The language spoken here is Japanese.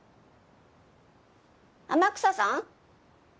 天草さん？